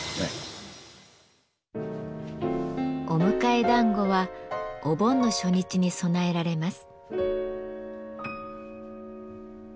お迎え団子はお盆の初日に供えられます。